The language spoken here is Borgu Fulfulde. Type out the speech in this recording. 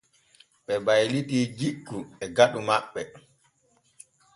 Ɓe baylita jikku e faɗu maɓɓe.